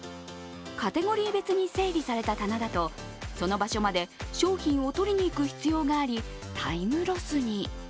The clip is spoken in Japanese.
カテゴリー別に整理された棚だと、その場所まで商品を取りに行く必要がありタイムロスに。